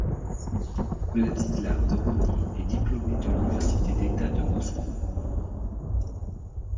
Vladislav Doronine est diplômé de l'université d'État de Moscou.